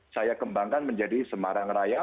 saya kembangkan menjadi semarang raya